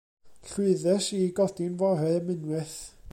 Lwyddes i i godi'n fore am unwaith.